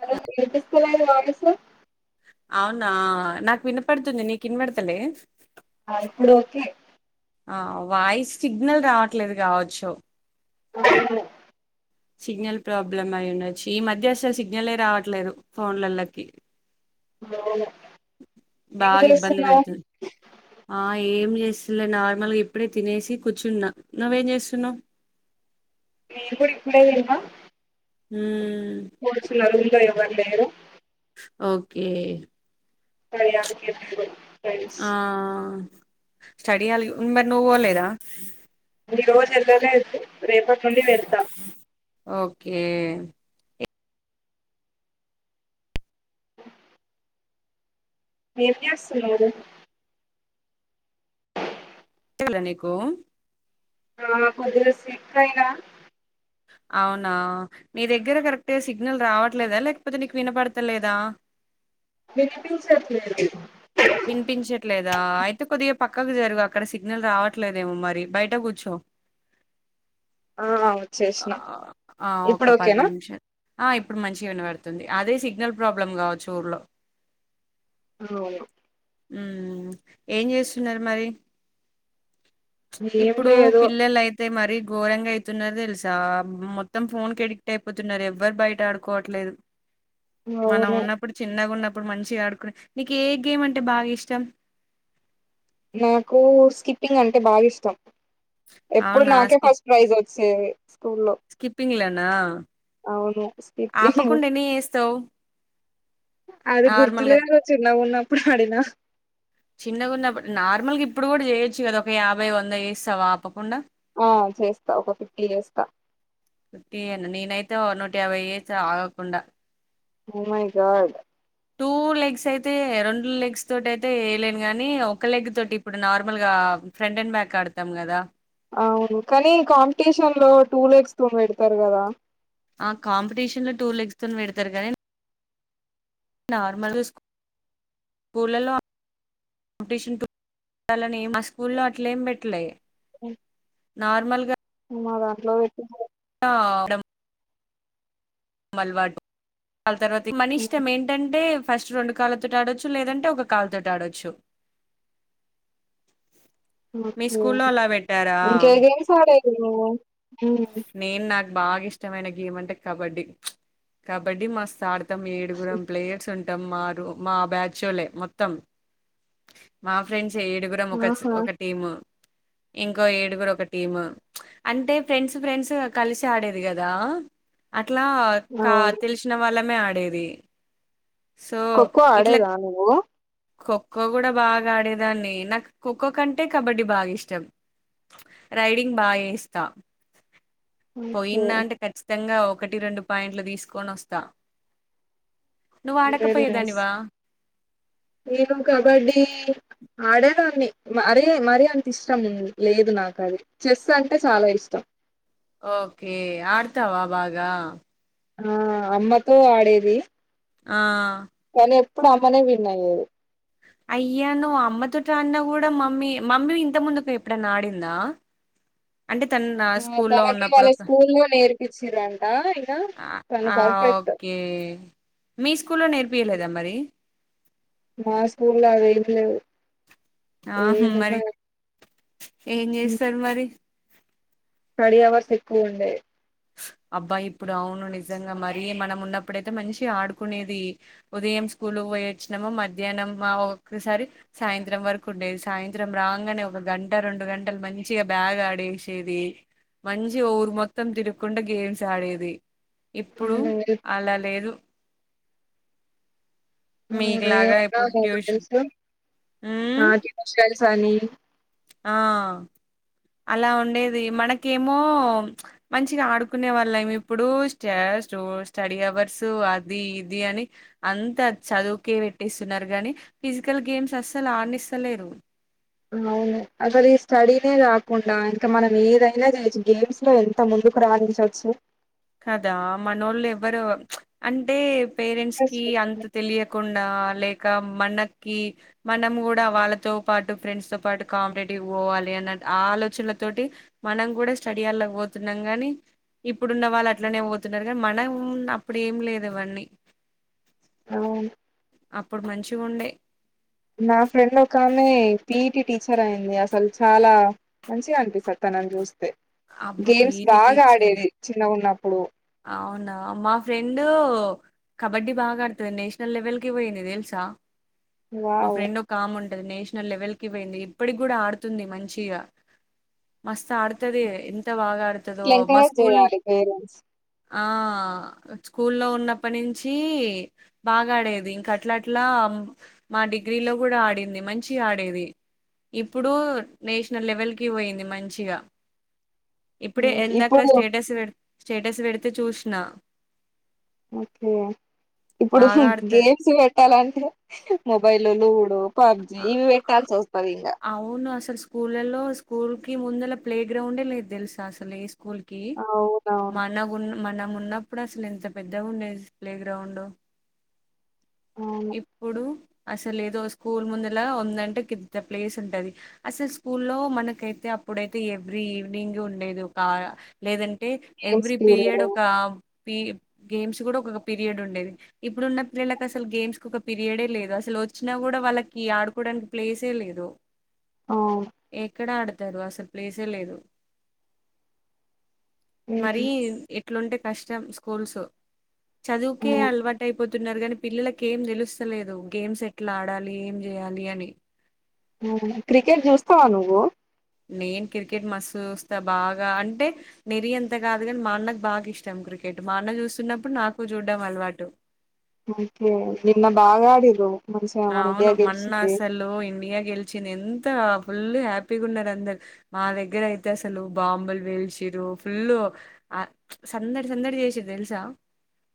Hello V IP [unintelligible] కుళాయి వాడుతూ [unintelligible] అవునా నాకు వినపడుతుంది నీ కి న్పడతలే ఆ ఇప్పుడు ఓకే ఆ వాయిస్ సిగ్నల్ రావట్లేదు కావచ్చు అ [unintelligible] సిగ్నల్ ప్రాబ్లమ్ అయి ఉండొచ్చు ఈ మధ్య అసలు సిగ్నలే రావట్లేదు ఫోన్లలోకి అవును ఏం బాగా ఇబ్బంది చేస్తున్నావు పెడుతుంది ఆ ఏం చేసి ఇలే నార్మల్గా ఇప్పుడే తినేసి కూర్చున్నా. నువ్వేం చేస్తున్నావ్? నేను కూడా ఇప్పుడే తిన్న మ్ ఇంట్లో ఎవరు లేరు ఓకే [unintelligible] ఆ స్టడీ అల్ ఉ మరి నువ్ పోలేదా ఈ రోజు వెళ్ళనే అంది రేపటి నుండి వెళ్తా ఓకే ఏం చేస్తున్నారు? [unintelligible] లా నీకు ఆ కొద్దిగ సిక్క్ అయినా అవునా నీ దగ్గర కరెక్ట్ గా సిగ్నల్ రావట్లేదా లేకపోతే నీకు వినపడతలేదా వినిపించట్లేదు వినిపించట్లేదు దా అయితే కొద్దిగా పక్కకు జరుగు అక్కడ సిగ్నల్ రావట్లేదేమో మరి బయట కూర్చో ఆ వచ్చేసిన ఆ ఇప్పుడు ఒక పది ఓకేనా నిమిషాలు ఆ ఇప్పుడు మంచిగ వినబడుతుంది అదే సిగ్ సిగ్నల్ ప్రాబ్లమ్ కావచ్చు ఊర్లో అవును హ్మ్ ఏం చేస్తున్నారు మరి ఏం ఇప్పుడు లేదు పిల్లలైతే మరీ ఘోరంగా అయితున్నారు తెలుసా మొత్తం ఫోన్ కి ఎడిక్ట్ అయిపోతున్నరు ఎవ్వరు బయట ఆడుకోవట్లేదు మనం అవును ఉన్నప్పుడు చిన్నగున్నప్పుడు మంచిగా ఆడుకునే నికే గేమ్ అంటే బాగా ఇష్టం నాకు స్కిప్పింగ్ అంటే బాగా ఇష్టం ఎప్పుడు నాకే ఫస్ట్ ప్రైజ్ అవుత చేవి స్కిప్పింగ్ల నా అవును స్కిప్పింగ్ చేస్తావు అది నార్మల్గా గుర్తులేదు చిున్నవున్నా ప్పుడు ఆడినా చిన్నగున్నప్పుడు నార్మల్గా ఇప్పుడు కూడా చేయొచ్చు కదా ఒక యాభై వంద చేస్తావా ఆపకుండా ఆ చేస్తా ఒక ఫిఫ్టీ చేస్తా నూటయాభై చేస్త ఆగకుండా ఓమై గార్డ్ టూ లెగ్స్ అయితే రెండు లెగ్స్ తోటి అయితే ఎయలేను కానీ ఒక లెగ్ తోటి ఇప్పుడు నార్మల్గా ఫ్రంట్ అండ్ బ్యాక్ ఆడతాం కదా అవును కానీ కాంపిటీషన్ లో టూ లేగ్స్ తో పెడతారు కదా ఆ కాంపిటీషన్ లో టూర్ లెగ్స్తోన్ పెడతారు గానీ నార్మల్గా స్కూ స్కూలలో కాంపిటీషన్ మా స్కూల్లో అట్లే ఏం పెట్లే మదా ఇట్ల వేత్తలే ఆ నం మల్వాడు వాళ్ళ తర్వాత మన ఇష్టం ఏంటంటే ఫస్ట్ రెండు కాళ్ళతోటి ఆడొచ్చు లేదంటే ఒక కాలుతోటి ఆడొచ్చు మీ ఓకే స్కూల్లో అలా పెట్టారా ఇంకేగేమ్స్ ఆడేది ఓ ఉ నేను నాకు బాగా ఇష్టమైన గేమ్ అంటే కబడ్డీ కబడ్డీ మస్తు ఆడు మొం ఏడుగురం ప్లేయర్స్ ఉం మారు మా బ్యాచొల్లె మొత్తం మా ఫ్రెండ్స్ ఏడుగురుము ఒకచ్ ఆహా ఒక టీము ఇంకో ఏడుగురు ఒక టీము అంటే ఫ్రెండ్స్ ఫ్రెండ్స్ కలిసి ఆడేది కదా ఇట్లా కా అవును తెలిసిన వాళ్ళ మే ఆడేది సో ఖోఖో ఇట్లా ఆడేదా నువ్వు ఖోఖో కూడా బాగా ఆడేదాన్ని నాకు ఖోఖో కంటే కబడ్డీ బాగా ఇష్టం రైడింగ్ బాగా చేస్తా ఓకే పోయింద అంటే ఖచ్చితంగా ఒకటి రెండు పాయింట్లు తీసుకొని వస్తా నువ్వు వెరీ నైస్ ఆడకపోయేదానివా నేను కబడ్డీ ఆడేదాన్ని మరి మరి అంత ఇష్టం లేదు నాకు అది చెస్ అంటే చాలా ఇష్టం ఓకే ఆడతావా బాగా ఆ అమ్మతో ఆడేది ఆ కానీ ఎప్పుడు అమ్మనే విన్ అయ్యేది అయ్యా నువు అమ్మతోటి ఆడిన కూడా మమ్మీ మమ్మీ ఇంత ముందు ఎప్పుడనా ఆడిందా అంటే తను నా ఆ స్కూల్లో తనకి ఉన్నప్పుడు వాళ్ళ ఒక స్కూల్లో నేర్పించిరంట ఇక తను ఆ పర్ఫెక్ట్ ఓకే మీ స్కూల్లో నేర్పియలేదా మరి మా స్కూళ్ళా అవి ఏం లేవ్. ఆ మరి ఏదున్నా ఏం చేస్తారు మరి. స్టడీ అవర్స్ ఎక్కువ ఉండే. అబ్బా ఇప్పుడు అవును నిజంగా మరీ మనం ఉన్నప్పుడయితే మంచిగ ఆడుకునేదీ. ఉదయం స్కూలుక్ పోయొచ్చినమ, మధ్యాహ్నం బాగ ఒక్కసారి సాయంత్రం వరకు ఉండేది. సాయంత్రం రాంగనే ఒక గంట రెండు గంటలు మంచిగ బ్యాగ్ ఆడేశేదీ, మంచిగ ఊరు మొత్తం తిరుగ్ గుంట గేమ్స్ ఆడేది. ఇప్పుడు. అవును, అవును, అలా లేదు. మీకులాగా ఇప్పుడు [unintelligible] ట్యూషన్ తెలుసు. హ్మ్. ఆ ట్యూషన్. షన్స్ అనీ ఆ అలా ఉండేదీ. మనకేమో ప్చ్ మంచిగా ఆడుకునే వాళ్ళేం. ఇప్పుడూ స్టా స్టో స్టడీ అవర్సు ఊ అదీ ఇదీ అని. అంతా చదువుకే పెట్టేస్తున్నారు గాని, ఫిజికల్ గేమ్స్ అస్సల్ ఆడనిస్తలేరు. అవును. అస్సలు ఈ స్టడీనే కాకుండా ఇంక మనం ఏదైనా చేయొచ్చు. గేమ్స్ లో ఎంత ముందుకు రాణించొచ్చు. కదా మనోళ్ళు ఎవ్వరు ప్చ్ అంటే. పేరెంట్స్ కీ అంత తెలియకుండా లేక్ కా మనకీ మనము గూడా వాళ్ళతో పాటు ఫ్రెండ్స్ తో పాటు కాంపిటేటివ్ పోవాలే అన్న ఆ ఆలోచనల తోటి, మనం కూడా స్టడీ హాల్లొకి పోతున్నాం గానీ, ఇప్పుడున్న వాళ్ళ అట్లనే పోతున్నారు. కానీ మనం అప్పుడు ఏం లేదు ఇవన్నీ. అవున్. అప్పుడు మంచిగ ఉండే. నా ఫ్రెండ్ ఒక ఆమె పిఈటి టీచర్ అయింది అసల్ చాలా మంచిగా అనిపిస్తది తనన్ చూస్ తే. అబ్బా గేమ్స్ పీటీ బాగా టీచర్ ఆడేది చిన్నగ ఉన్నప్పుడు. అవునా మా ఫ్రెండూ కబడ్డీ బాగా ఆడుతది నేషనల్ లెవెల్ కీ పోయింది తెలుసా. మా వావ్ ఫ్రెండ్ ఒకాముంట్ ది. నేషనల్ లెవెల్ కి పోయింది. ఇప్పటికి గూడా ఆడుతుంది మంచిగా. మస్త్ ఆడుతది ఎంత బాగా ఆడ్ ఎంకరేజ్ జేయాలి పేరెంట్స్. ఆ స్కూల్లో ఉన్నప్పటి నుంచీ బాగా ఆడేది, ఇంక అట్లా అట్లా మా డిగ్రీలో కూడా ఆడింది మంచిగా ఆడేది. ఇప్పుడూ నేషనల్ లెవెల్కి పోయింది మంచిగా. ఇప్పుడే ఎందాక ఇప్పుడు స్టేటస్ పెడుత్ స్టేటస్ పెడితే చూశినా. ఓకే ఇప్పుడు ఆడుతది గేమ్స్ పెట్టాలం టే. మొబైల్లోలు కొడ్ పబ్జీ ఆ, ఇవ్వి పెట్టాల్సివస్తది ఇంగా స్కూల్లలో స్కూల్ కి ముందుల ప్లే గ్రౌండ్ ఏ లేద్ తెలుసా అసలు ఏ స్కూ స్కూల్ కీ అవునవును మాన్నగున్న మనం ఉన్నప్పుడు అసలు ఎంత పెద్దగా ఉండేది ప్లే గ్రౌండు. అవును ఇప్పుడూ. అసలు ఏదో స్కూల్ ముందులా ఉందంటే కిద్ద ప్లేస్ ఉంటది అసలు స్కూ లో మనకైతే అప్పుడైతే ఎవ్రీ ఈవనింగ్ ఉండేది ఒక లేదంటే అంటే ఎవ్రీ పీరియడ్ ఒక గేమ్స్ కూడా ఒక పీరియడ్ ఉండేది ఇప్పుడు ఉన్న పిల్లలకు అసలు గేమ్స్ ఒక పీరియడే లేదు అసలు వచ్చినా కూడా వాళ్ళకి ఆడుకోవడానికి ప్లేసే లేదు ఓం ఇక్కడ అడతారు అసలు ప్లేస్ ఏలేదు మరి ఉమ్, ఏట్లుంటే కష్టం స్కూల్స్ చదువుకే అల్వా టైప్ పోతున్నారు కానీ పిల్లలకి ఏ తెలుస్తలేదు గేమ్స్ ఎట్లా ఆడాలి ఏం చేయాలి అని క్రికెట్ చూస్తావా నువ్వు నేను క్రికెట్ మూస్తా చూస్తాబాగా అంటే మరి ఎంత కాదు కాని మా అన్నకు బాగా ఇష్టం క్రికెట్ మా అన్న చూస్తున్నప్పుడు నాకు చూడ్డం అలవాటు ఓకే నిన్న బాగా ఆడిరు అవును మల్ల అసలు ఇండియా గెలిచింది ఎంత ఫుల్ హ్యాపీగా ఉన్నారు అందరు మా దగ్గర అయితే అసలు బాంబులు వేల్చరు ఫుల్ సందడి సందడి చేసిరు తెలుసా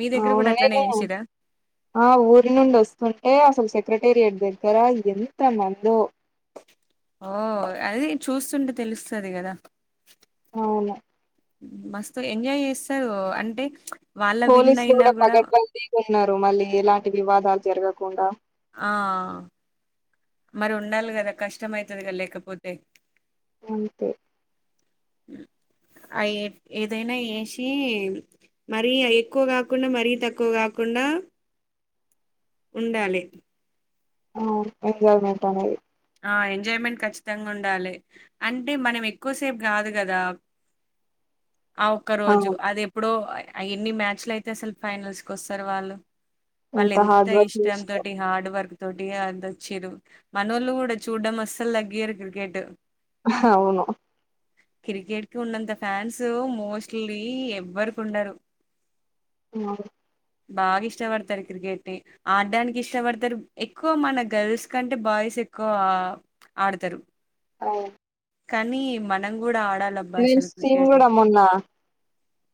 మీ దగ్గర కూడా అట్లనే చేసిరా అవునునేనుఆ ఊరి నుండి వస్తుంటే అసలు చెతి మెటీరియల్ దగ్గర ఎంతమందో ఓ అది చూస్తుంటే తెలుస్తుంది కదా అవును మస్తు ఎంజాయ్ చేస్తారు అంటే వాళ్ళ విన్ పోలీసులు అయినా కూడా పగడ్ బందీగాఉన్నారు మళ్ళీ ఎలాంటి వివాదాలు జరగకుండా ఆ మరి ఉండాలి కదా కష్టం అవతది కదా లేకపోతే అంతే అ ఏదైనా ఎసి మరీ ఎక్కువ కాకుండా మరీ తక్కువ కాకుండా ఉండాలి అ ఎంజాయ్మెంట్ ఉండాలి ఆ ఎంజాయ్మెంట్ ఖచ్చితంగా ఉండాలి అంటే మనం ఎక్కువసేపు కాదు కదా ఆ ఒక్క రోజు అవును అది ఎప్పుడో ఎన్ని మ్యాచ్లు అయితే అసలు ఫైనల్స్ కి వస్తారు వాళ్ళు వాళ్ళు ఎంత హార్డ్ వర్క్ ఇష్టం చేస్తరో తోటి హార్డ్ వర్క్ తొడి అందచ్చరు మనలు కూడా ఎంత చూడ్డం అస్సలు లగ్గియారు క్రీకెట్ హా అవును క్రికెట్ కి ఉన్నంత ఫ్యాన్స్ మోస్ట్లీ ఎవ్వరిక ఉండరు అ బాగా ఇష్టపడతారు క్రికెట్ ఆడడానికి ఇష్టపడతారు ఎక్కువ మన గర్ల్స్ కంటే బాయ్స్ ఎక్కువ కో ఆడతారు అవు కానీ మనం కూడా ఆ విమెన్స్ టీమ్ కూడా మొన్న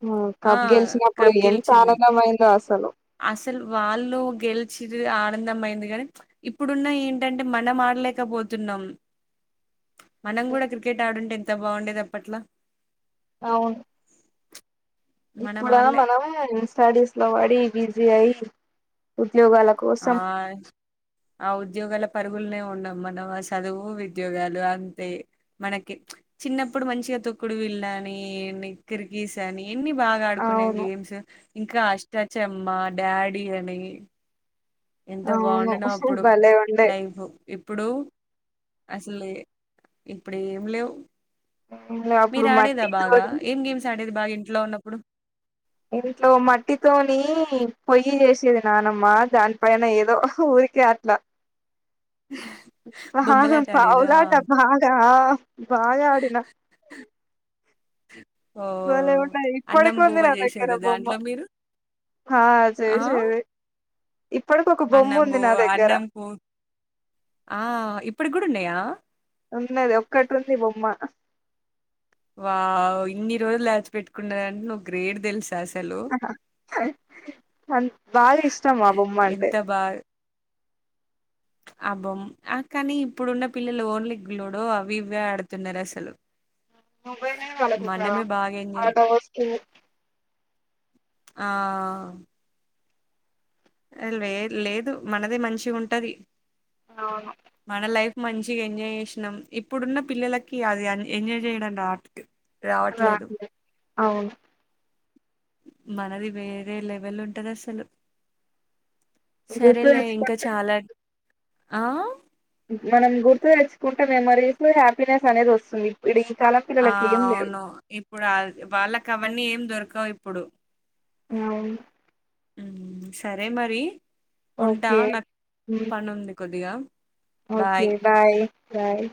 ఆ కప్ గెలిచినప్పుడు కప్ ఎంత గెలిచింది ఆనందం అయిందో అసలు అసలు వాళ్ళు గెలిచిదే ఆనందం అయింది కానీ ఇప్పుడున్న ఏంటంటే మనం ఆ లేకపోతున్నాం మనం కూడా క్రికెట్ ఆడుంటే ఎంత బాగుండేది అప్పట్లా అవును మనం ఇప్పుడా ఆడలే మనం స్టడీస్ లో పడి బిజీ అయి వ ఆ చ్ ఆ ఉద్యోగలా అడుగులనే ఉన్నాం మనం ఆ చదువు వీద్యోగాలు అంతే మనకి చిన్నప్పుడు మంచిగా తొక్కుడు బిళ్ళ అని ఎక్కిరిగీశానే ఎన్ని బాగా ఆడుకున్నాం అవును గేమ్స్ ఇంకా అష్టాచమ్మ డాడీ అని ఎంత అవును బాగుండనో అప్పుడు భలే ఉండే లైఫ్ ఇప్పుడు అసలే ఇప్పుడు ఏం లేవు మీరు అప్పుడు ఆడేదా బాగా మట్టితోటి ఏం గేమ్స్ ఆడేది బాగా ఏ ఇంట్లో ఉన్నప్పుడు ఇంట్లో మట్టితోని పొయ్యి చేసేది నానమ్మ దానిపైన ఏదో ఊరికే అట్లా బాగా బొమ్మలాట ఆడేదా పావులాట బాగా ఆ బాగా ఆడినం ఓ బాలేగున్నాయి అన్నం ఇప్పటికి ఉంది బువ్వ నా దగ్గర చేసేదా బొమ్మ దాంట్లో మీరు ఇప్పటికి ఒక బొమ్మ ఉంది అన్నంబు నా దగ్గర అన్నంపు ఆ ఇప్పటికి కూడా ఉన్నాయా ఆ ఉన్నది ఒక్కటి ఉంది బొమ్మ వావ్ ఇన్ని రోజులు దాచి పెట్టుకున్నావ్ అంటే నువ్వు గ్రేట్ తెల్స్ బాగా ఇష్టం ఆ బొమ్మ అంటే అ బోమ్ అ కానీ ఇప్పుడున్న పిల్లలు ఓన్లి లూడో అవి ఇవే ఆడుతున్నారు అసలు మొబైలే వాళ్లకు ఒక బాగా ఎంజాయ్ ఆట వస్తువు ఆ లే లేదు మనదే మంచిగా ఉంటది అవును మంచిగా ఎంజాయ్ చేసినం ఇప్పుడున్న పిల్లలకి అది అన్ ఎంజాయ్ చేయడం రావాట్ రావట్లేదు రాట్లే అవును మనది వేరే లెవెల్ ఉంటది అసలు గుర్తు సరేలే ఇంకా తెచ్చుకుంటే చాలా ఆ మనం గుర్తు తెచ్చుకుంటే మెమరీస్ హ్యాపీనెస్ అనేది వస్తుంది ఇప్పుడు ఇ ఆ అవును ఇప్పుడు అల్ వాళ్ళకి అవన్నీ ఏం దొర కవు ఇప్పుడు అవును మ్ సరే మరి ఉంటా ఓకే. నాకు హ్మ్. పని ఉంది కొద్దిగా ఓకే బాయ్ బాయ్